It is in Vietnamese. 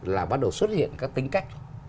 là bắt đầu xuất hiện các tính cách